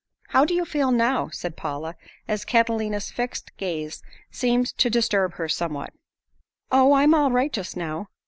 "How do you feel now?" said Paula as Catalina's fixed gaze seemed to disturb her somewhat. "Oh, I'm all right just now.